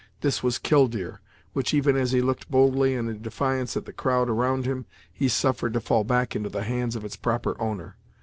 This was Killdeer which, even as he looked boldly and in defiance at the crowd around him, he suffered to fall back into the hands of its proper owner.